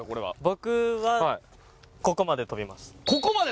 僕はここまで跳びます。